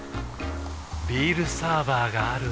ビールサーバーがある夏。